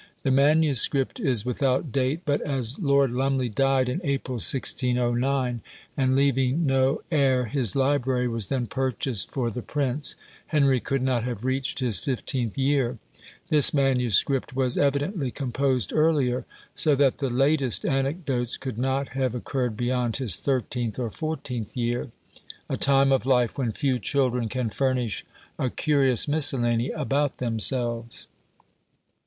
The manuscript is without date; but as Lord Lumley died in April, 1609, and leaving no heir, his library was then purchased for the prince, Henry could not have reached his fifteenth year; this manuscript was evidently composed earlier: so that the latest anecdotes could not have occurred beyond his thirteenth or fourteenth year, a time of life when few children can furnish a curious miscellany about themselves.